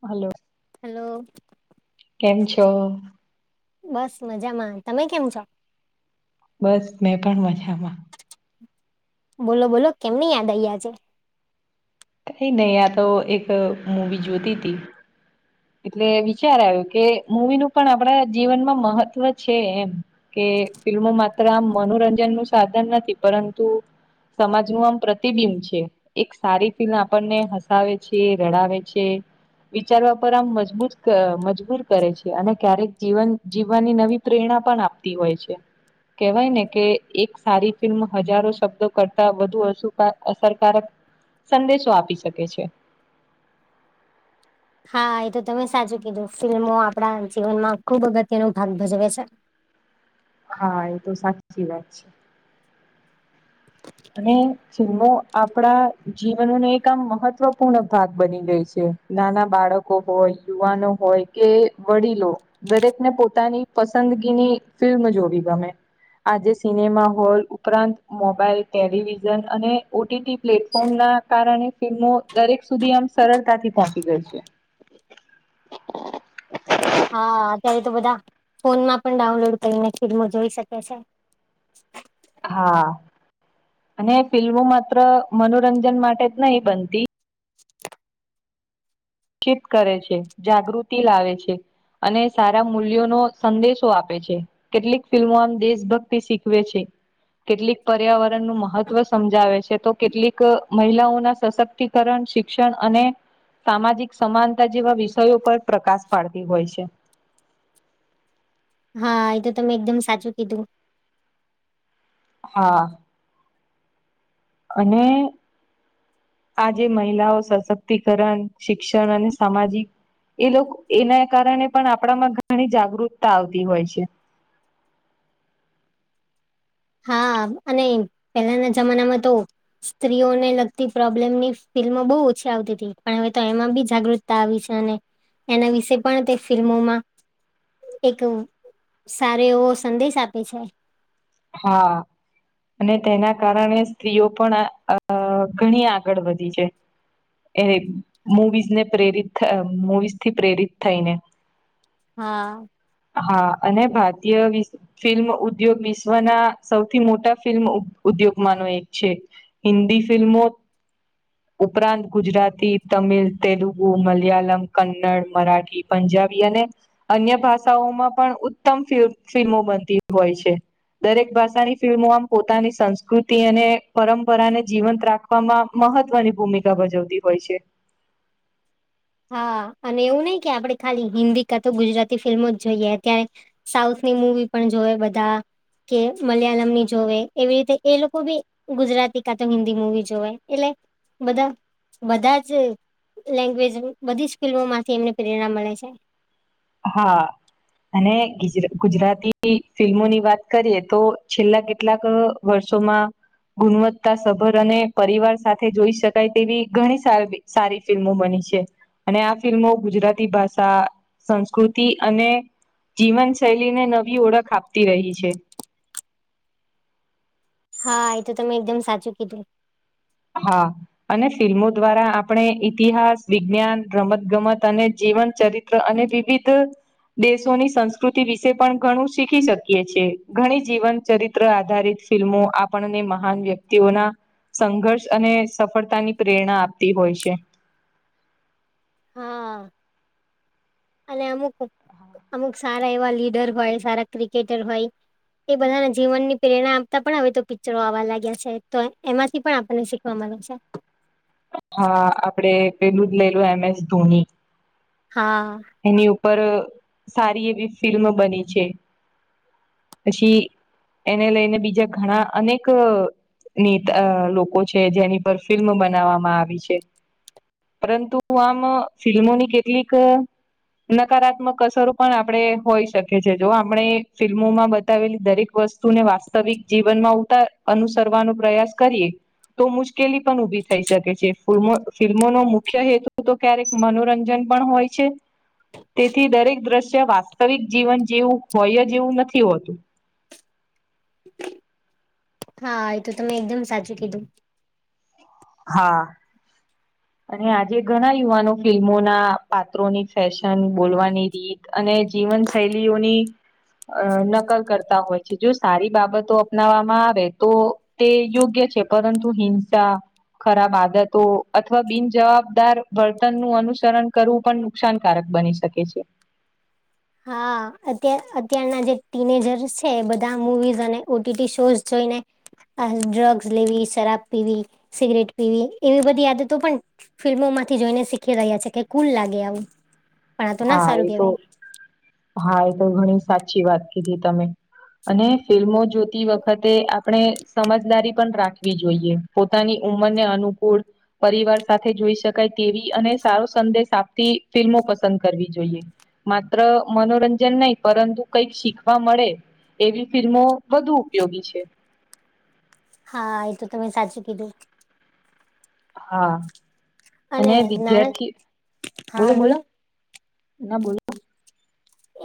Hello. Hello. કેમ છો? બસ મજામાં તમે કેમ છો? બસ મેં પણ મજામાં બોલો બોલો કેમની યાદ આઈ આજે. એ નહી આ તો એક મૂવી જોતી હતી. એટલે વિચાર આવ્યું કે મૂવી નું પણ આપણા જીવનમાં મહત્વ છે એમ કે ફિલ્મો માત્ર આમ મનોરંજન નું સાધન નથી પરંતુ સમાજ નું આમ પ્રતિબિંબ છે એક સારી ફિલ્મ આપણને હસાવે છે રડાવે છે વિચારવા આમ મજબૂત મજબૂર કરે છે અને ક્યારેક જીવન જીવવાની નવી પ્રેરણા પણ આપ તી હોય છે કેવાય ને કે એક સારી ફિલ્મ હજારો શબ્દો કરતા વધુ અસુ અસરકારક સંદેશો આપી શકે છે હા એ તો તમે સાચું કીધું ફિલ્મો આપડા જીવનમાં ખુબ અગત્ય ન ભાગ ભજવે છે હા એ તો સાચી વાત છે અને ફિલ્મો આપણા જીવનનો એક આમ મહત્વપૂર્ણ ભાગ બની ગઈ છે. નાના બાળકો હોય, યુવાનો હોય કે વડીલો દરેકને પોતાની પસંદગીની ફિલ્મ જોવી ગમે. આજે સિનેમા હોલ ઉપરાંત મોબાઈલ ટેલિવિઝન અને ઓટીટી પ્લેટફોર્મના કારણે ફિલ્મો દરેક સુધી આમ સરળતાથી પહોંચી ગઈ છે. હા. અત્યારે તો બધા ફોનમાં પણ ડાઉનલોડ કરીને ફિલ્મો જોઈ શકે છે. હા અને ફિલ્મો માત્ર મનોરંજન માટે જ નહી બનતી શિક્ષિત કરે છે, જાગૃતિ લાવે છે. અને સારા મૂલ્યોનો સંદેશો આપે છે. કેટલીક ફિલ્મો આમ દેશભક્તિ શીખવે છે. કેટલીક પર્યાવરણનું મહત્વ સમજાવે છે તો કેટલીક મહિલાઓના સશક્તિ... કરણ શિક્ષણ અને સામાજિક સમાનતા જેવા વિષયો પર પ્રકાશ પાડતી હોય છે. હા. એ તો તમે એકદમ સાચું કીધું. હા અને આજે મહિલાઓ સશક્તિકરણ શિક્ષણ અને સામાજિક એ લોક એના કારણે પણ આપણામાં ઘણી જાગૃતતા આવતી હોય છે. હા અને પેલાના જમાનામાં તો સ્ત્રીઓને લગતી પ્રોબ્લેમની ફિલ્મો બહુ ઓછી આવતીતી પણ હવે તો એમાં બી જાગૃ... ક્તા આવી છે અને એના વિશે પણ તે ફિલ્મોમાં એક સારો એવો સંદેશ આપે છે. હા અને તેના કારણે સ્ત્રીઓ પણ ઘણી આગળ વધી છે. [inaudible] એવી મુવીઝને પ્રેરિત થ મુવીઝથી પ્રેરિત થઈને હા હા અને ભારતીય વિશ ફિલ્મઉદ્યોગ વિશ... શ્વના સૌથી મોટા ફિલ્મઉદ્યોગમાંનો એક છે હિન્દી ફિલ્મો ઉપરાંત ગુજરાતી, તમિલ, તેલુગુ, મલયાલમ, કન્નડ, મરાઠી, પંજાબી અને અન્ય ભાષાઓમાં પણ ઉત્તમ ફિલ્મો બનતી હોય છે. દરેક ભાષાની ફિલ્મો આમ પોતાની સંસ્કૃતિ અને પરંપરાને જીવંત રાખ્... વામાં મહત્વની ભૂમિકા ભજવતી હોય છે. હા અને એવું નઈ કે આપણે ખાલી હિન્દી કાં તો ગુજરાતી ફિલ્મો જ જોઈએ ક્યારે સાઉથની મુવી પણ જોવે બધા કે મલયાલમની જોવે એવી રીતે એ લોકો બી ગુજરાતી કા તો હિન્દી મુવી જોવે એટલે બધા બધા જ લેંગ્વેજ બધી જ ફિલ્મો માંથી એમને પ્રેરણા મળે છે. હા. અને ગીજ ગુજરાતી ફિલ્મોની વાત કરીએ તો છેલ્લા કેટલાંક વર્ષોમાં ગુણવત્તા સભર અને પરિવાર સાથે જોઈ શકાય તેવી ઘણી સારી સારી ફિલ્મો બની છે અને આ ફિલ્મો ગુજરાતી ભાષા સંસ્કૃતિ અને જીવન શૈલીને નવી ઓળખ આપતી રહી છે. હા એ તો તમે એકદમ સાચું કીધું. હા. અને ફિલ્મો દ્વારા આપણે ઈતિહાસ, વિજ્ઞાન, રમત ગમત અને જીવન ચરિત્ર ટ્રા અને વિવિધ દેશોની સંસ્કૃતિ વિશે પણ ઘણું શીખી શકીએ છેએ ઘણી જીવન ચરિત્ર ત્ર આધારિત ફિલ્મો આપણને મહાન વ્યક્તિઓના સંઘર્ષ અને સફળતાની પ્રેરણા આપતી હોય છે. હા [inaudible] અને અમુક અમુક સારા એવા લીડર હોય સારા ક્રિકેટર હોય એ બધાના જીવન ની પ્રેરણા આપતા પણ હવે તો પિક્ચરો આવવા લાગ્યા છે તો એમાંથી પણ આપને શીખવા કવા મળે છે. હા આપડે પેલું જ લઈ લો એમ એસ ધોની. હા. એની ઉપર સારી એવી ફિલ્મ બની છે પછી એને લઈને બીજા ઘણા અનેક ની ત આ લોકો છે જેની પર ફિલ્મ બનાવવામાં આવી છે. પરંતુ આમ ફિલ્મોની કેટલીક નકારાત્મક અસરો પણ આપણે હોઈ શકીએ જો આપણે ફિલ્મોમાં બતાવેલી દરેક વસ્તુ તું ને વાસ્તવિક જીવનમાં ઉતાર અનુસરવાનો પ્રયાસ કરીએ તો મુશ્કેલી પણ ઉભી થઈ શકે છે ફમો ફિલ્મોનો મુખ્ય હેતુ તો ક્યારેક મનોરંજન પણ હોય છે. તેથી દરેક દ્રશ્ય વાસ્તવિક જીવન જેવું હોય જે એવું નથી હોતું. હા એ તો તમે એકદમ સાચું કીધું. હા. અને આજે ઘણા યુવાનો ફિલ્મોના પાત્રોની ફેશન બોલવાની રીત અને જીવન શૈલીઓની અ નકલ કરતા હોય છે જો સારી બાબતો અપનાવવામાં આવે તો તે યોગ્ય છે પરંતુ હિંસા ખરાબ આદતો અથવા બિનજવાબદાર વર્તન નું અનુસરણ કરવું પણ નુકસાનકારક બની શકે છે. હા અત અત્યારના જે ટીનેજર્ છે બધા મુવીઝ અને ઓટીટી શોઝ જોઈને આ ડ્રગ્સ લેવી શરાબ પીવી સિગરેટ પીવી એવી બધી યાદ તો પણ ફિલ્મોમાંથી જોઈને શીખી રહ્યા છે કે કુલ લાગે આવું. પણ આ તો ના હા સારું એ તો કેવાય હા એ તો ઘણી સાચી વાત કીધી તમે. અને ફિલ્મો જોતી વખતે અપ આપણે સમજદારી પણ રાખવી જોઈએ પોતાની ઉંમરને અનુકૂળ પરિવાર સાથે જોઈ શકાય તેવી અને સારો સંદેશ આપતી ફિલ્મો પા પસંદ કરવી જોઈએ માત્ર મનોરંજન નહી પરંતુ કઈક શીખવા મળે એવી ફિલ્મો વધુ ઉપયોગી છે. હા એ તો તમે સાચું કીધું. હા અને વિદ્યાર્થી બોલો બોલો ના બોલો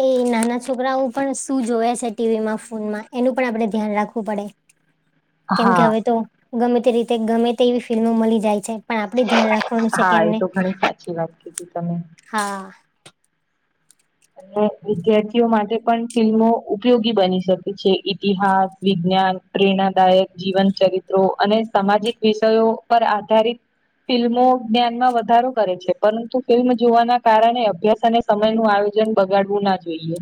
એ નાના છોકરાઓ પણ શું જોવે છે ટીવી માં ફોનમાં એનું પણ આપડે ધ્યાન રાખવું પડે હ [unintelligible] કેમ કે હવે તો ગમે તે રીતે ગમે તે એવી ફિલ્મો મળી જાય છે. પણ આપડે ધ્યાન રાખવાનું છે, હા એ કેમને તો ઘણી સાચી વાત કીધી તમે હા વિદ્યાર્થીઓ માટે પણ ફિલ્મો ઉપયોગી બની શકે છે, ઇતિહાસ વિજ્ઞાન પ્રેરણાદાયક જીવન ચરિત્રો અને સામાજિક વિષયો પર આધારિત ફિલ્મો જ્ઞાનમાં વધારો કરે છે પરંતુ ફિલ્મ જોવાના કારણે અભ્યાસ અને સમય નુ આવે આયોજન બગાડવું ના જોઈએ.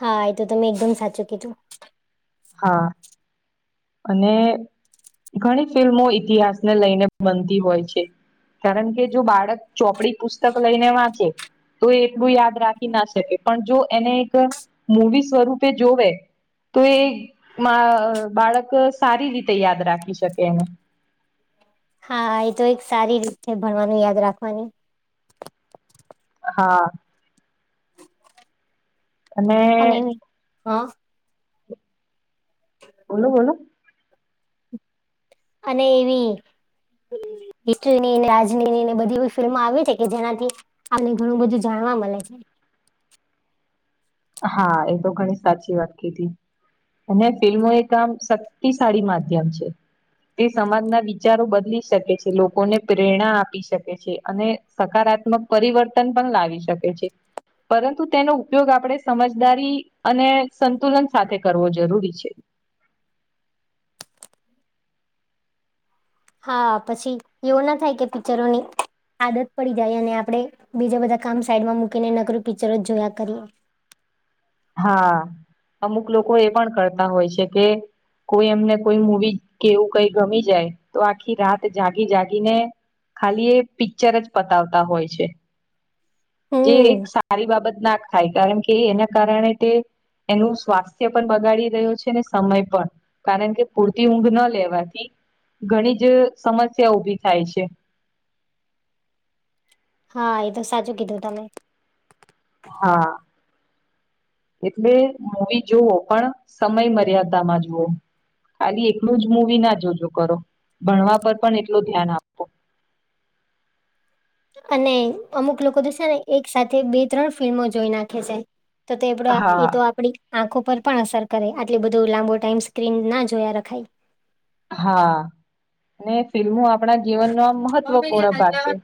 હા એ તો તમે એકદમ સાચું કીધુ હા અને ઘણી ફિલ્મો ઈતિહાસને લઈને બનતી હોય છે. કારણ કે જો બાળક ચોપડી પુસ્તક લઈને વાંચે તો એ એટલું યાદ રાખી ના શકે પણ જો એને એક મૂવી સ્વરૂપે જોવે તો એ બાળક સારી રીતે યાદ રાખી શકે એને હા એ તો એક સારી રીતે ભણવાનું યાદ રાખવાની હા અને હા. હ બોલો બોલો અને એવી હિસ્ટની રાજનીની ને બધી બધી ફિલ્મ આવી છે કે જેનાથી. અનેન એટલું બધું જાણવા મળે છે. હા એ તો ઘણી સાચી વાત કીધી અને ફિલ્મો એક આમ શક્તિશાળી માધ્યમ છે. તે સમાજના વિચારો બદલી શકે છે લોકો લોકોને પ્રેરણા આપી શકે છે અને સકારાત્મક પરિવર્તન પણ લાવી શકે છે. પરંતુ તેનો ઉપયોગ આપણે સમજદારી અને સંતુલન સાથે કરવો જરૂરી છે. હા પછી એવું ના થાય કે પિક્ચરોની આદત પડી જાય અને આપણે બીજા બધા કામ સાઈડમા મૂકીને નગર પિક્ચરો જોયા કરીએ હા અમુક લોકો એ પણ કરતા હોય છે કે કોઈ એમને કોઈ મવી કેવું કઈ ગમી જાય તો આખી રાત જાગી જાગીને ખાલી એ પિક્ચર જ પતાવતા હોય છે. જે એક હમ સારી બાબત ના થાય કારણ કે એના કારણે તે એનું સ્વાસ્થ્ય પણ બગાડી રહ્યો છેને સમય પણ કારણ કે પૂરતી ઊંઘ ન લેવાથી ઘણી જ સમસ્યા ઊભી થાય છે. હા એ તો સાચું કીધું તમે હા એટલે મૂવી જુઓ પણ સમય મર્યાદામાં જુઓ. ખાલી એકલું જ મુવી ના જોજો કરો ભણવા પર પણ એટલું ધ્યાન આપો અને અમુક લોકો તો છને, એક સાથે બે ત્રણ ફિલ્મો જોઈ નાખે છે. તો તેડા એ હા તો આપડી આંખો પર પણ અસર કરે આટલી બધુ લાંબો ટાઈમ સ્ક્રીનના જોયા, રખાય હા અને ફિલ્મો આપણા જીવનમા મહત્વપૂર્ણ ભાગ છે,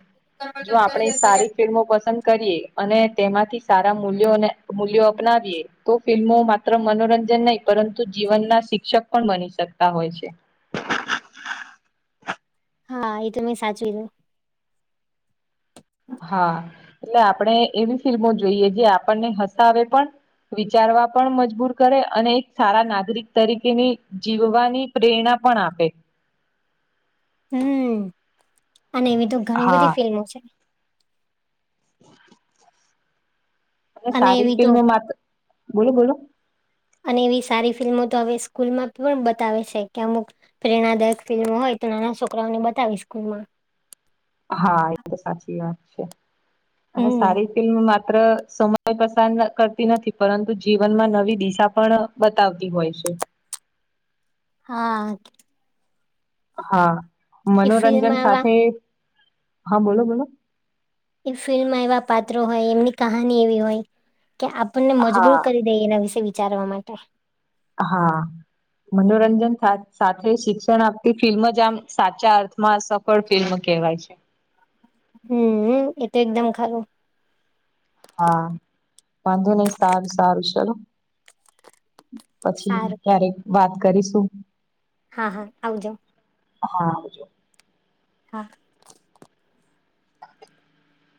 જો આપણે સારી ફિલ્મો પસંદ કરીએ અને તેમાંથી સારા મૂલ્યોને અપનાવીએ તો ફિલ્મો માત્ર મનોરંજન નહી, પરંતુ જીવનના શિક્ષક પણ બની શકતા હોય છે. હા એ તો મેં સાચયવુ હા એટલે આપણે એવી ફિલ્મો જોઈએ જે આપણને હસાવે પણ વિચારવા પણ મજબૂર કરે અને એક સારા નાગરિક તરીકેની જીવવાની પ્રેરણા પણ આપે હમ અને એવી તો ઘણી હા બધી ફિલ્મો છે. અને સારી એવી તો ફિલ્મ માત્ર બોલો બોલો અને એવી સારી ફિલ્મો તો હવે સ્કૂલમાં પણ બતાવે છે કે અમુક પ્રેરણાદાયક ફિલ્મ હોય તો નાના છોકરાઓને બતાવી સ્કૂલ માં હા એ તો સાચી વાત છે અને હમ સારી ફિલ્મ માત્ર સમય પસંદ કરતી નથી પરંતુ જીવનમાં નવી દિશા પણ બતાવતી હોય છે હા હા એ મનોરંજન ફિલ્મમાં એવા સાથે હા બોલો બોલો એ ફિલ્મમાં એવા પાત્રો હોય એમની કહાની એવી હોય કે આપણને મજબૂર હા કરી દે એના વિશે વિચારવા માટે હા મનોરંજન સાથ સાથે શિક્ષણ આપતી ફિલ્મ જ આમ સાચા અર્થમાં સફ પણ ફિલ્મ કહેવાય છે. હમ્મ હમ્મ એ તો એકદમ ખરું હા વાંધો નહી સારું સારું ચલો પછી સારું ક્યારેક વાત કરીશું. હા હા આવજો. હા આવજો. હા.